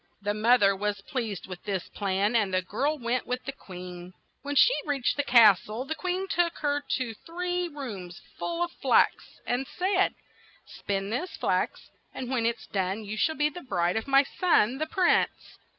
The moth er was pleased with this plan, and the girl went with the queen. When they reached the cas tle, the queen THE THREE SPINNERS 59 took her to three rooms full of flax, and said, "Spin this flax, and when it is done you shall be the bride of my son, the prince."